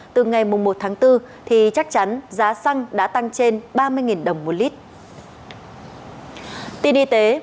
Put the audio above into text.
từ ngày một tháng bốn thì chắc chắn giá xăng đã tăng trên ba mươi đồng một lít